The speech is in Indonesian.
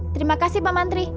terima kasih pak mantri